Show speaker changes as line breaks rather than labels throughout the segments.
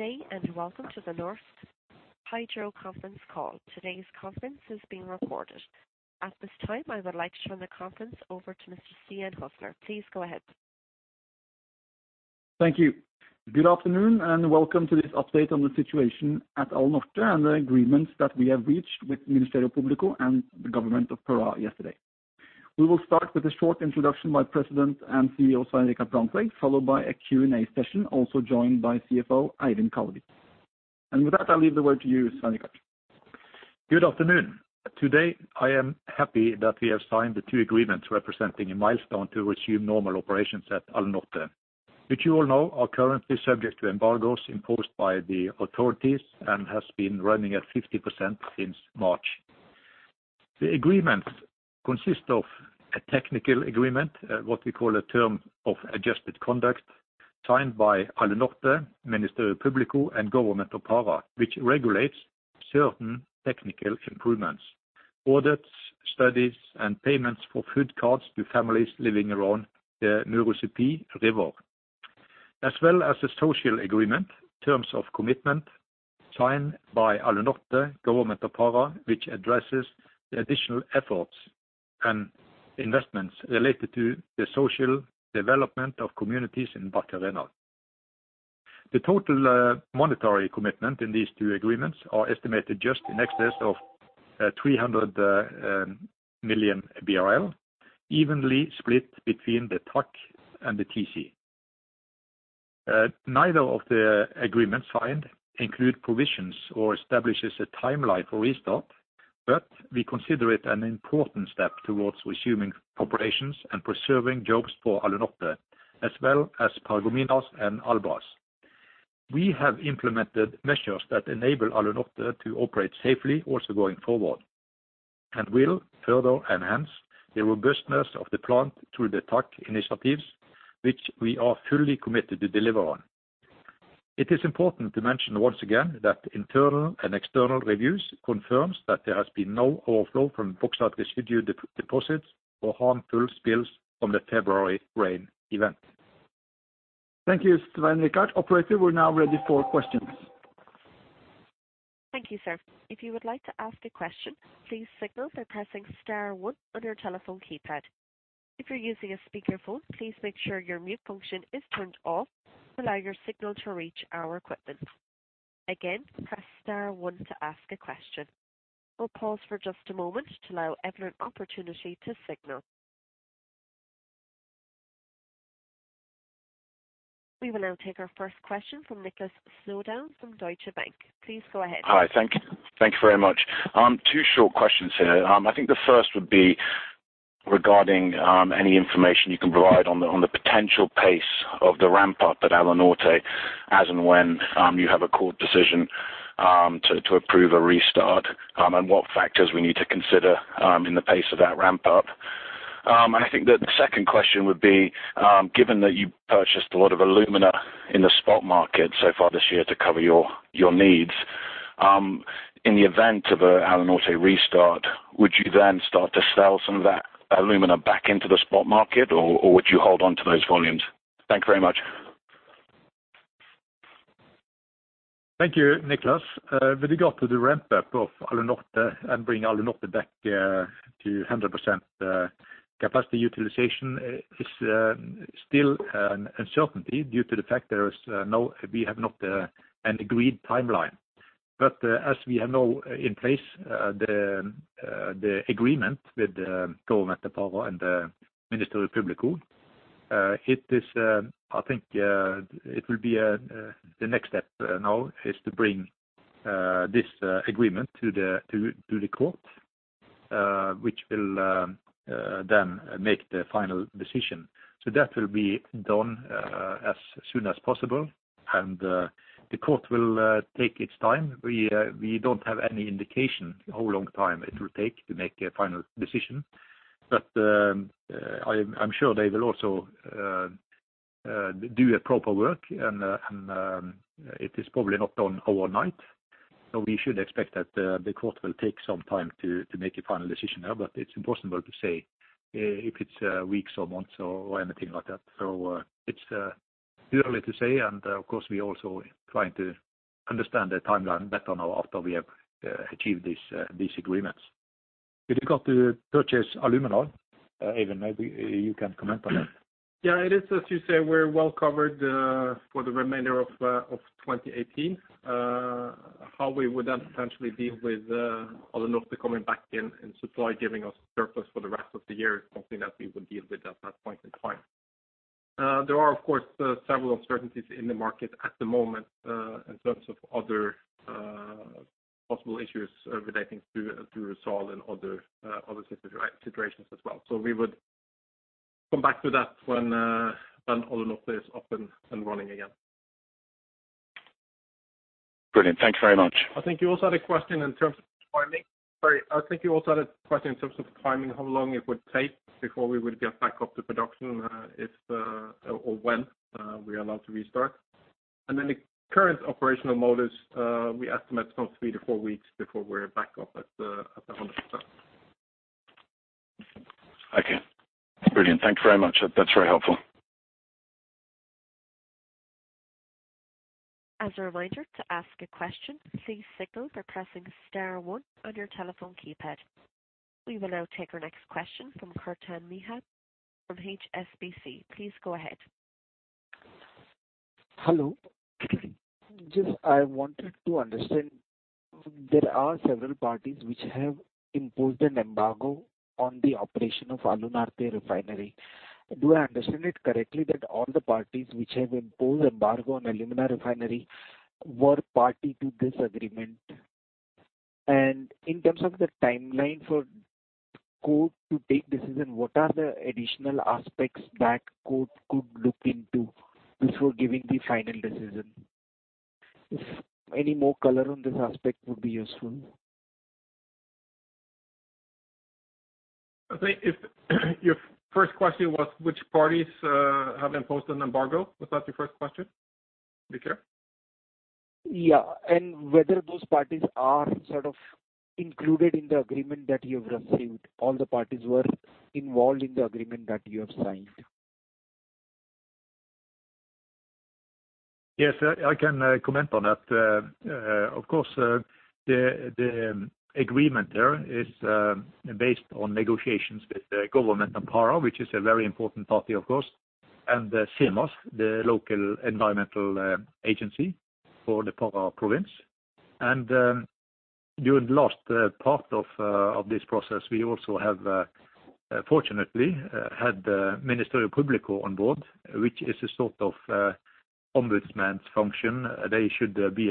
Good day and welcome to the Norsk Hydro conference call. Today's conference is being recorded. At this time, I would like to turn the conference over to Mr. Stian Hasle. Please go ahead.
Thank you. Good afternoon, and welcome to this update on the situation at Alunorte and the agreements that we have reached with Ministério Público and the government of Pará yesterday. We will start with a short introduction by President and CEO, Svein Richard Brandtzæg, followed by a Q&A session, also joined by CFO Eivind Kallevik. With that, I'll leave the word to you, Svein Richard.
Good afternoon. Today, I am happy that we have signed the two agreements representing a milestone to resume normal operations at Alunorte, which you all know are currently subject to embargoes imposed by the authorities and has been running at 50% since March. The agreements consist of a technical agreement, what we call a Term of Adjusted Conduct, signed by Alunorte, Ministério Público, and Government of Pará, which regulates certain technical improvements, audits, studies, and payments for food cards to families living around the Murucupi River, as well as a social agreement, Term of Commitment signed by Alunorte, Government of Pará, which addresses the additional efforts and investments related to the social development of communities in Barcarena. The total monetary commitment in these two agreements are estimated just in excess of 300 million BRL, evenly split between the TAC and the TC. Neither of the agreements signed include provisions or establishes a timeline for restart, but we consider it an important step towards resuming operations and preserving jobs for Alunorte, as well as Paragominas and Albras. We have implemented measures that enable Alunorte to operate safely also going forward, and will further enhance the robustness of the plant through the TAC initiatives, which we are fully committed to deliver on. It is important to mention once again that internal and external reviews confirms that there has been no overflow from bauxite residue deposits or harmful spills from the February rain event.
Thank you, Svein Richard. Operator, we're now ready for questions.
Thank you, sir. If you would like to ask a question, please signal by pressing star one on your telephone keypad. If you're using a speakerphone, please make sure your mute function is turned off to allow your signal to reach our equipment. Again, press star one to ask a question. We'll pause for just a moment to allow everyone opportunity to signal. We will now take our first question from Nicholas Snowdon from Deutsche Bank. Please go ahead.
Hi. Thank you very much. Two short questions here. I think the first would be regarding any information you can provide on the potential pace of the ramp-up at Alunorte as and when you have a court decision to approve a restart, and what factors we need to consider in the pace of that ramp-up. I think the second question would be, given that you purchased a lot of alumina in the spot market so far this year to cover your needs, in the event of a Alunorte restart, would you then start to sell some of that alumina back into the spot market, or would you hold onto those volumes? Thank you very much.
Thank you, Nicholas Snowdon. With regard to the ramp-up of Alunorte and bringing Alunorte back to 100% capacity utilization is still an uncertainty due to the fact there is, we have not an agreed timeline. As we have now in place the agreement with Government of Pará and the Ministério Público, it is, I think, it will be the next step now is to bring this agreement to the court, which will then make the final decision. That will be done as soon as possible, and the court will take its time. We don't have any indication how long time it will take to make a final decision. I'm sure they will also do a proper work, and it is probably not done overnight. We should expect that the court will take some time to make a final decision here, but it's impossible to say if it's weeks or months or anything like that. It's too early to say, and of course, we also trying to understand the timeline better now after we have achieved these agreements. With regard to purchase alumina, Eivind, maybe you can comment on that.
Yeah, it is, as you say, we're well covered for the remainder of 2018. How we would then potentially deal with Alunorte coming back in and supply giving us surplus for the rest of the year is something that we would deal with at that point in time. There are, of course, several uncertainties in the market at the moment, in terms of other possible issues relating to resolve and other situations as well. We would come back to that when Alunorte is up and running again.
Brilliant. Thank you very much.
I think you also had a question in terms of timing. Sorry, I think you also had a question in terms of timing, how long it would take before we would get back up to production, if, or when, we are allowed to restart. The current operational mode is, we estimate some three to four weeks before we're back up at 100%.
Okay. Brilliant. Thank you very much. That's very helpful.
As a reminder, to ask a question, please signal by pressing star one on your telephone keypad. We will now take our next question from Kirtan Mehta from HSBC. Please go ahead.
Hello. Just I wanted to understand, there are several parties which have imposed an embargo on the operation of Alunorte refinery. Do I understand it correctly that all the parties which have imposed embargo on alumina refinery were party to this agreement? In terms of the timeline for court to take decision, what are the additional aspects that court could look into before giving the final decision? If any more color on this aspect would be useful.
I think if your first question was which parties have imposed an embargo? Was that your first question? Yeah?
Yeah. Whether those parties are sort of included in the agreement that you have received, all the parties were involved in the agreement that you have signed.
Yes, I can comment on that. Of course, the agreement there is based on negotiations with the Government of Pará, which is a very important party, of course, and the SEMAS, the local environmental agency for the Pará province. During the last part of this process, we also have fortunately had Ministério Público on board, which is a sort of ombudsman's function. They should be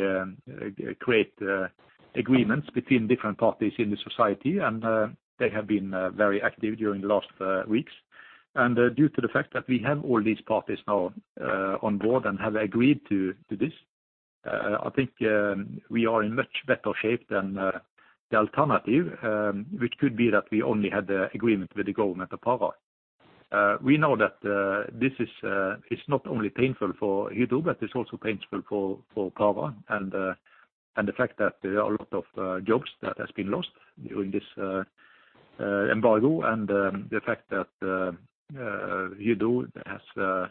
create agreements between different parties in the society. They have been very active during the last weeks. Due to the fact that we have all these parties now on board and have agreed to this, I think we are in much better shape than the alternative, which could be that we only had the agreement with the Government of Pará. We know that this is not only painful for Hydro, but it's also painful for Pará and the fact that there are a lot of jobs that has been lost during this embargo and the fact that Hydro has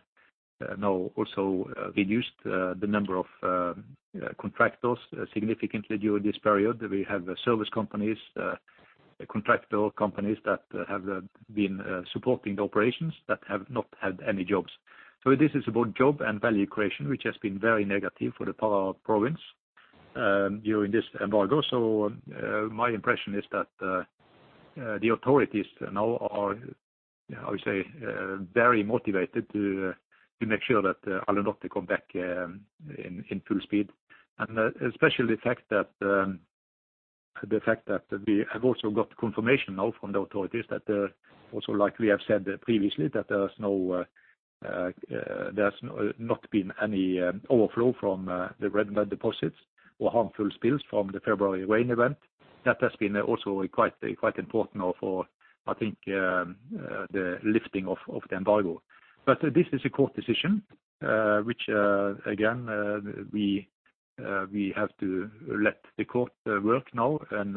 now also reduced the number of contractors significantly during this period. We have service companies, contractor companies that have been supporting the operations that have not had any jobs. This is about job and value creation, which has been very negative for the Pará province, during this embargo. My impression is that the authorities now are, I would say, very motivated to make sure that Alunorte come back in full speed. Especially the fact that we have also got confirmation now from the authorities that, also like we have said previously, there's not been any overflow from the red mud deposits or harmful spills from the February rain event. That has been also quite important now for, I think, the lifting of the embargo. This is a court decision, which again, we have to let the court work now, and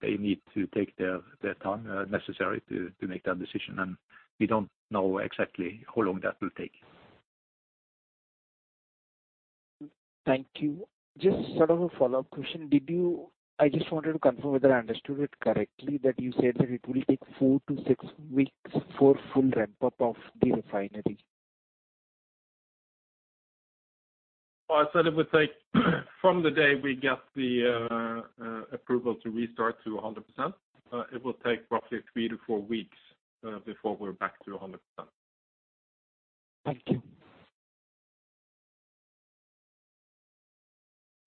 they need to take their time necessary to make that decision. We don't know exactly how long that will take.
Thank you. Just sort of a follow-up question. I just wanted to confirm whether I understood it correctly, that you said that it will take four to six weeks for full ramp-up of the refinery?
I said it would take from the day we get the approval to restart to 100%, it will take roughly three to four weeks before we're back to 100%.
Thank you.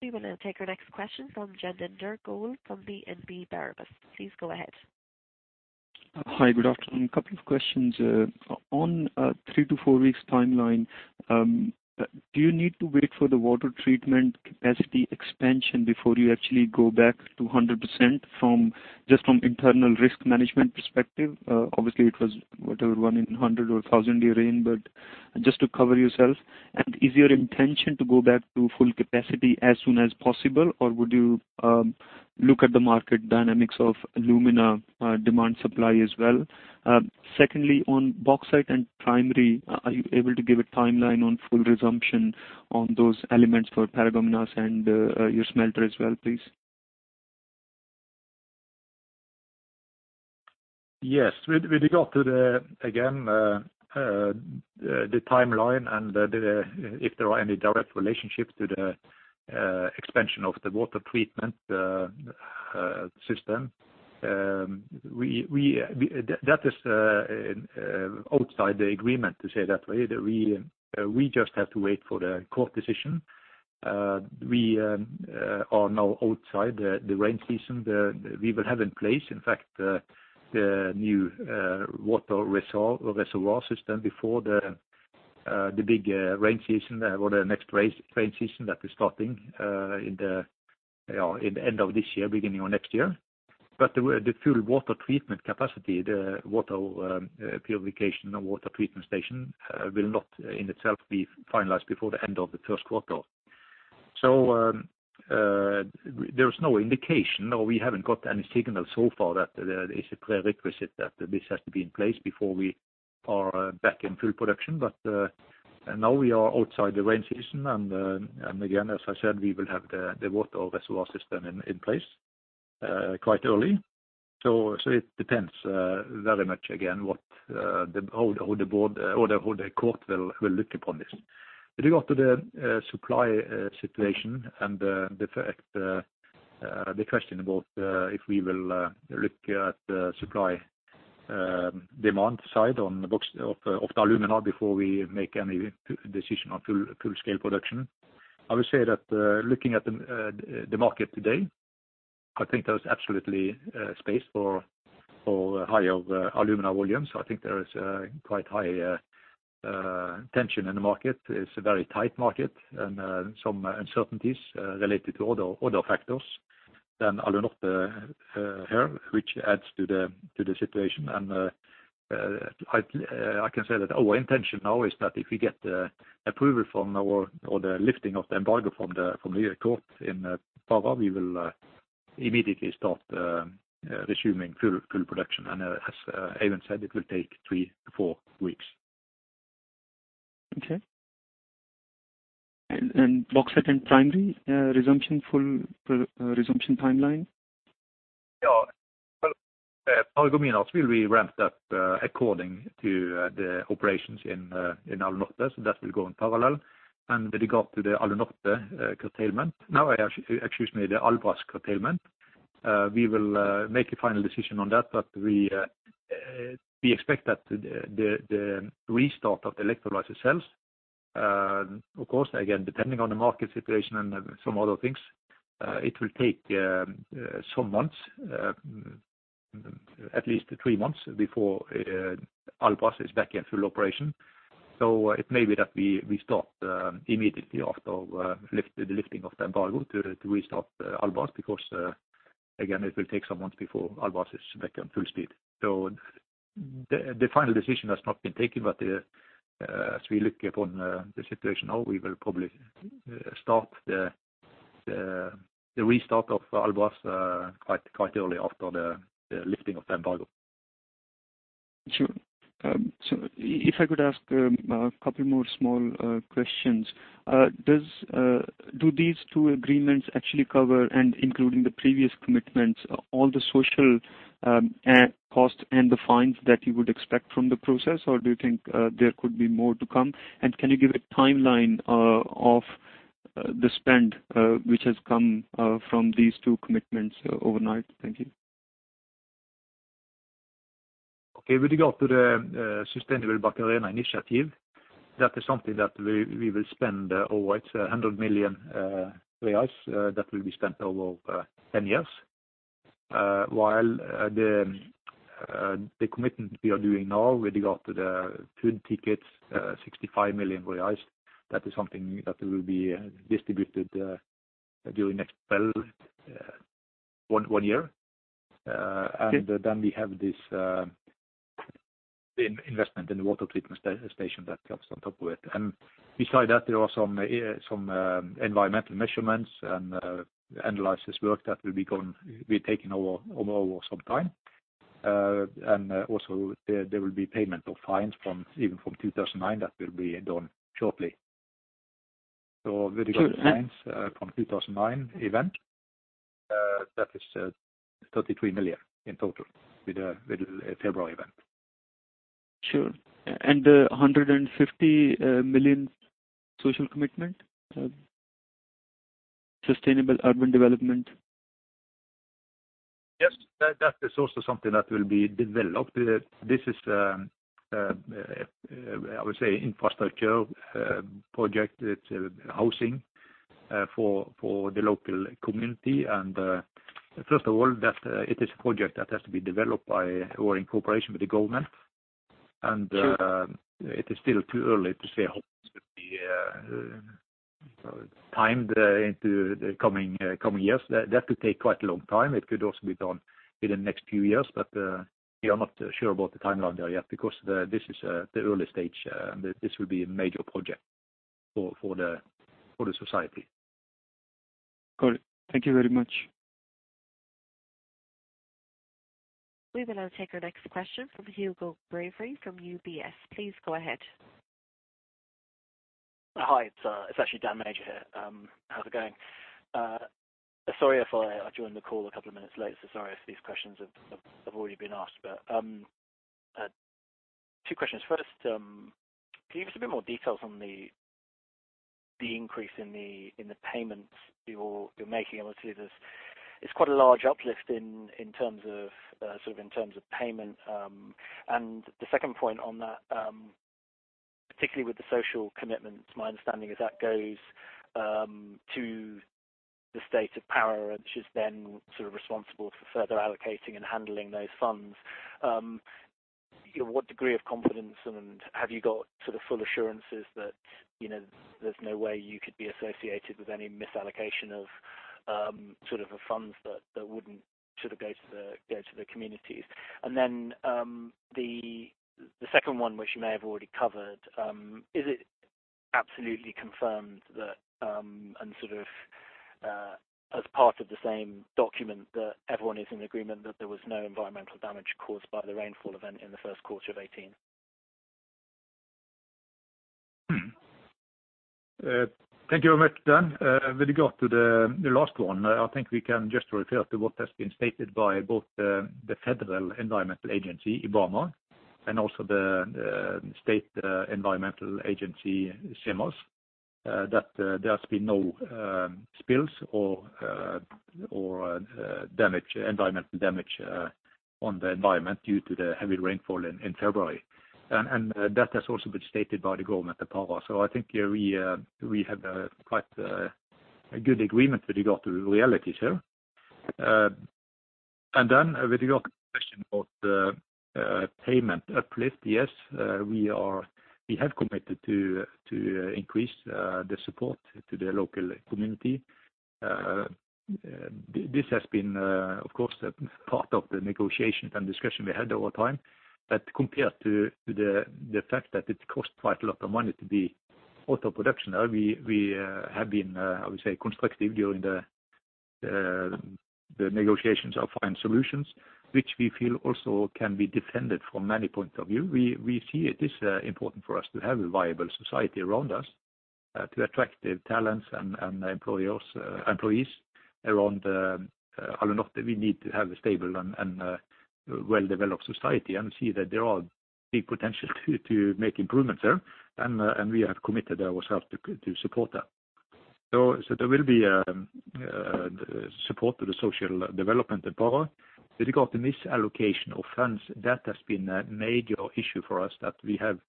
We will now take our next question from Jatinder Goel from BNP Paribas. Please go ahead.
Hi. Good afternoon. A couple of questions, on three to four weeks timeline, do you need to wait for the water treatment capacity expansion before you actually go back to 100% just from internal risk management perspective? Obviously it was whatever, one in 100 or 1,000 year rain, but just to cover yourself. Is your intention to go back to full capacity as soon as possible, or would you look at the market dynamics of alumina, demand supply as well? Secondly, on bauxite and primary, are you able to give a timeline on full resumption on those elements for Paragominas and your smelter as well, please?
Yes. With regard to the, again, the timeline, and the, if there are any direct relationships to the expansion of the water treatment system, that is outside the agreement, to say that way. That we just have to wait for the court decision. We are now outside the rain season. We will have in place, in fact, the new water reservoir system before the big rain season or the next rain season that is starting in the end of this year, beginning of next year. The full water treatment capacity, the water purification and water treatment station will not in itself be finalized before the end of the first quarter. There's no indication or we haven't got any signal so far that there is a prerequisite that this has to be in place before we are back in full production. Now we are outside the rain season and again, as I said, we will have the water reservoir system in place quite early. It depends very much again, what, how the board or how the court will look upon this. With regard to the supply situation and the fact, the question about if we will look at the supply-demand side, on the bauxite, of the alumina before we make any decision on full scale production. I would say that looking at the market today, I think there's absolutely space for higher alumina volumes. I think there is quite high tension in the market. It's a very tight market and some uncertainties related to other factors than Alunorte here, which adds to the situation. I can say that our intention now is that if we get the approval from now on for the lifting of the embargo from the court in Pará we will immediately start resuming full production. As Eivind said, it will take three to four weeks.
Okay. And bauxite and primary resumption, full resumption timeline?
Yeah. Well, Alunorte will be ramped up according to the operations in Alunorte. That will go in parallel. With regard to the Alunorte curtailment. Now, excuse me, the Albras curtailment, we will make a final decision on that, but we expect that the restart of the electrolysis cells, of course, again, depending on the market situation and some other things, it will take some months, at least three months before Albras is back in full operation. It may be that we start immediately after the lifting of the embargo to restart Albras because again, it will take some months before Albras is back on full speed. The final decision has not been taken. As we look upon, the situation now, we will probably start, the restart of Albras, quite early after the lifting of the embargo.
Sure. If I could ask a couple more small questions. Do these two agreements actually cover and including the previous commitments, all the social costs and the fines that you would expect from the process? Or do you think there could be more to come? Can you give a timeline of the spend which has come from these two commitments overnight? Thank you.
Okay. With regard to the Sustainable Barcarena Initiative, that is something that we will spend over 100 million reais, that will be spent over 10 years. While the commitment we are doing now with regard to the food tickets, 65 million reais, that is something that will be distributed during next one year.
Okay.
We have this investment in the water treatment station that comes on top of it. Beside that, there are some environmental measurements and analysis work that will be taking over some time. Also there will be payment of fines from, even from, 2009. That will be done shortly.
Sure.
With regards to fines, from 2009 event, that is 33 million in total with a February event.
Sure. The 150 million social commitment, sustainable urban development?
Yes. That is also something that will be developed. This is, I would say infrastructure project. It's housing for the local community. First of all, that, it is a project that has to be developed by or in cooperation with the government.
Sure.
It is still too early to say how this would be timed into the coming years. That could take quite a long time. It could also be done within the next few years. We are not sure about the timeline there yet because this is the early stage. This will be a major project for the society.
Got it. Thank you very much.
We will now take our next question from Hugo Bravery from UBS. Please go ahead.
Hi, it's actually Daniel Major here. How's it going? Sorry if I joined the call a couple of minutes late, so sorry if these questions have already been asked. Two questions. First, can you give us a bit more details on the increase in the payments you're making? Obviously, it's quite a large uplift in terms of payment. The second point on that, particularly with the social commitments, my understanding is that goes to the state of Pará, which is then sort of responsible for further allocating and handling those funds. What degree of confidence and have you got sort of full assurances that, you know, there's no way you could be associated with any misallocation of sort of the funds that should go to the communities? The second one, which you may have already covered, is it absolutely confirmed that and sort of as part of the same document that everyone is in agreement that there was no environmental damage caused by the rainfall event in the first quarter of 2018?
Thank you very much, Dan. With regard to the last one, I think we can just refer to what has been stated by both, the Federal Environmental Agency, IBAMA, and also the State, Environmental Agency, SEMAS, that there has been no, spills or, damage, environmental damage, on the environment due to the heavy rainfall in February. That has also been stated by the government of Pará. I think we have a quite, a good agreement with regard to the realities here. With regard to the question of the payment uplift, yes, we have committed to increase, the support to the local community. This has been, of course, part of the negotiations and discussion we had over time. Compared to the fact that it costs quite a lot of money to be out of production now, we have been, I would say, constructive during the negotiations of find solutions which we feel also can be defended from many point of view. We see it is important for us to have a viable society around us to attract the talents and employees around Alunorte. We need to have a stable and well-developed society and see that there are big potential to make improvements there. We have committed ourselves to support that. There will be support to the social development in Pará. With regard to misallocation of funds, that has been a major issue for us that we have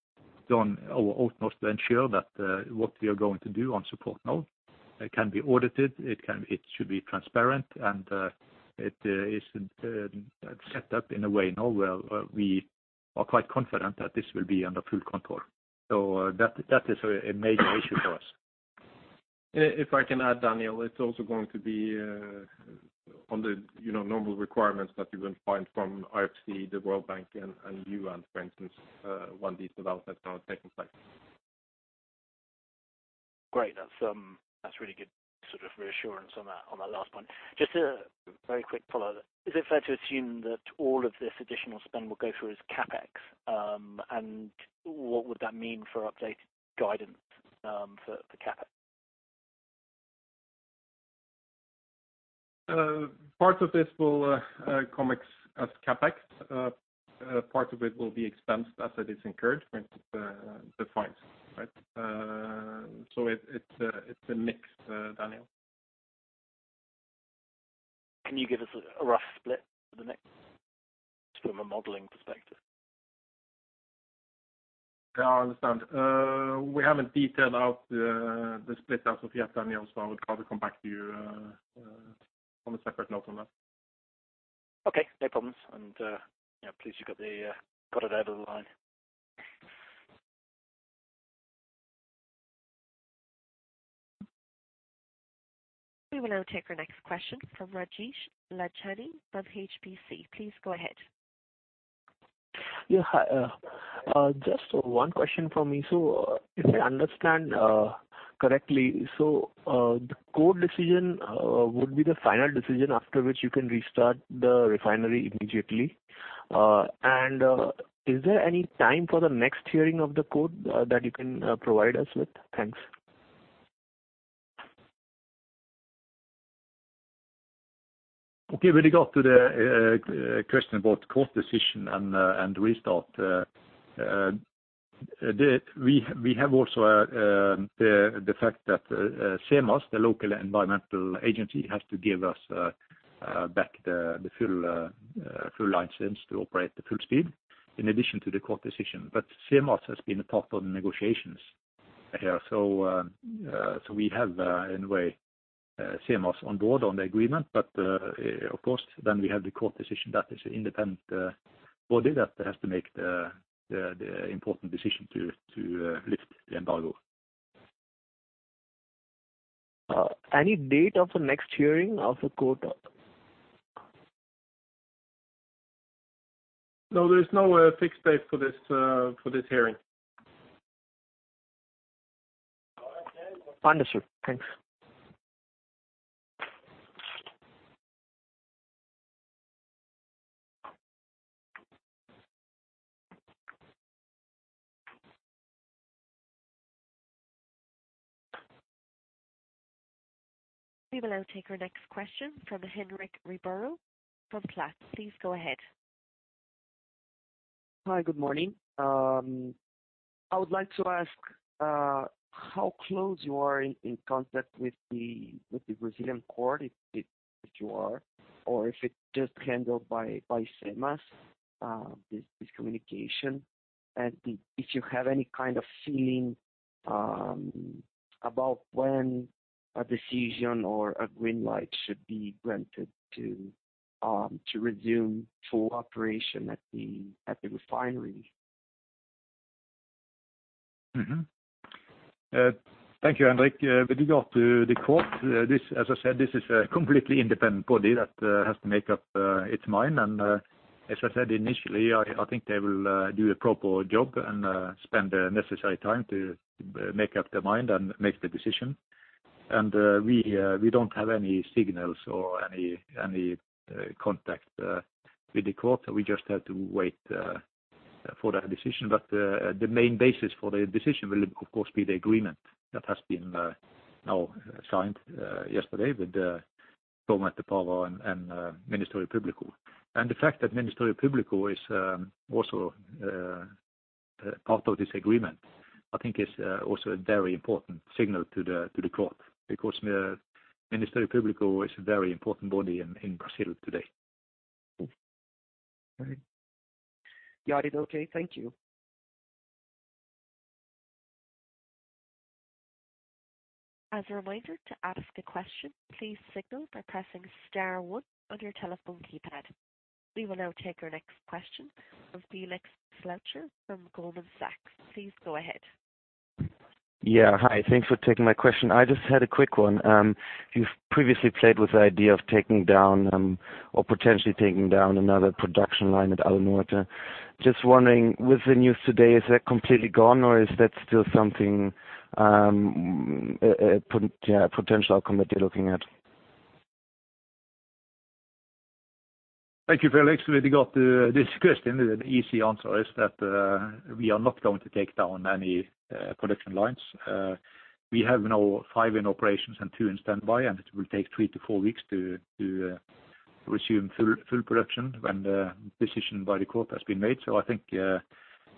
done our utmost to ensure that what we are going to do on support now can be audited. It should be transparent and it is set up in a way now where we are quite confident that this will be under full control. That is a major issue for us.
If I can add, Daniel, it's also going to be on the, you know, normal requirements that you will find from IFC, the World Bank and UN for instance, when these developments are taking place.
Great. That's really good sort of reassurance on that, on that last point. Just a very quick follow-up. Is it fair to assume that all of this additional spend will go through as CapEx? What would that mean for updated guidance for CapEx?
Part of this will count as CapEx. Part of it will be expensed as it is incurred when it defines, right? It's a mix, Daniel.
Can you give us a rough split for the mix from a modeling perspective?
I understand. We haven't detailed out the split as of yet, Daniel Major, so I would rather come back to you on a separate note on that.
Okay, no problems. Yeah, please you got it out of the line.
We will now take our next question from Rajesh Lachhani of HSBC. Please go ahead.
Yeah. Hi, just one question from me. If I understand correctly, the court decision would be the final decision after which you can restart the refinery immediately. Is there any time for the next hearing of the court that you can provide us with? Thanks.
Okay. With regard to the question about court decision and restart, we have also the fact that SEMAS, the local environmental agency, has to give us back the full license to operate the full speed in addition to the court decision. SEMAS has been a part of the negotiations here. We have in a way SEMAS on board on the agreement. Of course, we have the court decision that is an independent body that has to make the important decision to lift the embargo.
Any date of the next hearing of the court?
No, there's no fixed date for this, for this hearing.
Understood. Thanks.
We will now take our next question from Henrique Ribeiro from Platts. Please go ahead.
Hi. Good morning. I would like to ask how close you are in contact with the Brazilian court, if you are, or if it's just handled by SEMAS, this communication? If you have any kind of feeling about when a decision or a green light should be granted to resume full operation at the refinery?
Thank you, Henrique. With regard to the court, as I said, this is a completely independent body that has to make up its mind. As I said initially, I think they will do a proper job and spend the necessary time to make up their mind and make the decision. We don't have any signals or any contact with the court. We just have to wait for that decision. The main basis for the decision will of course be the agreement that has been now signed yesterday with government of Pará and Ministério Público. The fact that Ministério Público is also part of this agreement, I think is also a very important signal to the court because Ministério Público is a very important body in Brazil today.
All right. Richard, okay. Thank you.
As a reminder, to ask a question please signal by pressing star one on your telephone keypad. We will now take our next question from Felix Schlueter from Goldman Sachs. Please go ahead.
Hi. Thanks for taking my question. I just had a quick one. You've previously played with the idea of taking down, or potentially taking down another production line at Alunorte. Just wondering, with the news today, is that completely gone or is that still something, a potential outcome that you're looking at?
Thank you, Felix. With regard to this question, the easy answer is that we are not going to take down any production lines. We have now five in operations and two in standby, and it will take three to four weeks to resume full production when the decision by the court has been made. I think,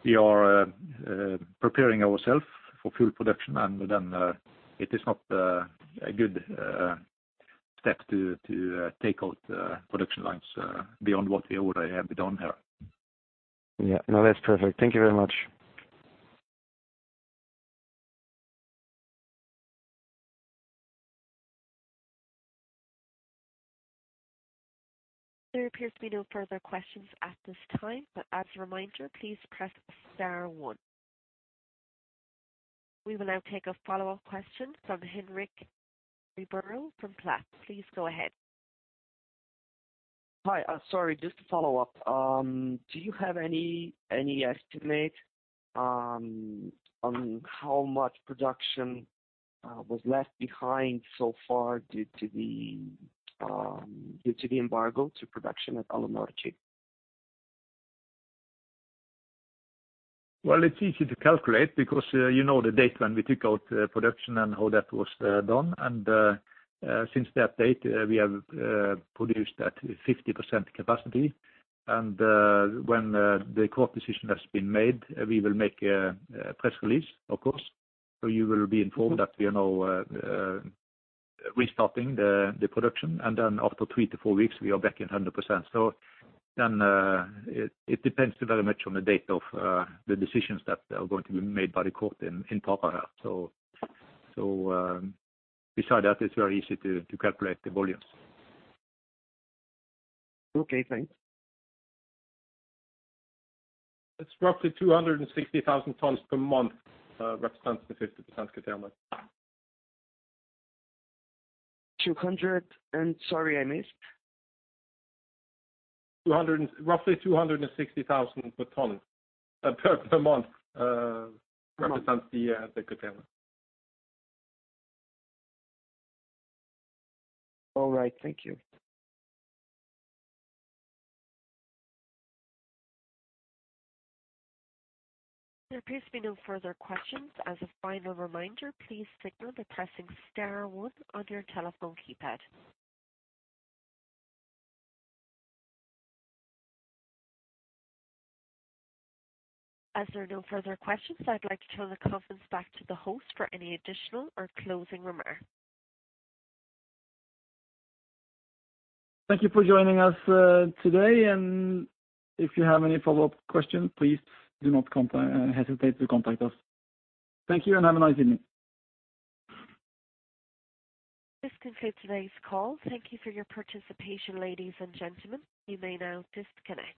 we are preparing ourself for full production, it is not a good step to take out production lines beyond what we already have done here.
Yeah. No, that's perfect. Thank you very much.
There appears to be no further questions at this time. As a reminder, please press star one. We will now take a follow-up question from Henrique Ribeiro from Platts. Please go ahead.
Hi. Sorry, just to follow up. Do you have any estimate on how much production was left behind so far due to the embargo to production at Alunorte?
Well, it's easy to calculate because you know the date when we took out production and how that was done. Since that date, we have produced at 50% capacity. When the court decision has been made, we will make a press release, of course. You will be informed that we are now restarting the production. After three to four weeks, we are back in 100%. It depends very much on the date of the decisions that are going to be made by the court in Pará. Beside that, it's very easy to calculate the volumes.
Okay, thanks.
It's roughly 260,000 tons per month, represents the 50% curtailment.
200 and? Sorry, I missed.
Roughly 260,000 tons per month, represents the curtailment.
All right. Thank you.
There appears to be no further questions. As a final reminder, please signal by pressing star one on your telephone keypad. As there are no further questions, I'd like to turn the conference back to the host for any additional or closing remarks.
Thank you for joining us today. If you have any follow-up questions, please do not hesitate to contact us. Thank you, and have a nice evening.
This concludes today's call. Thank you for your participation, ladies and gentlemen. You may now disconnect.